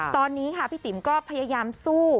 ตอนนี้ค่ะพี่ติ๋มก็พยายามสู้